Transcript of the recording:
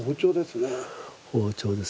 包丁です。